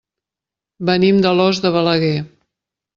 Venim d'Alòs de Balaguer.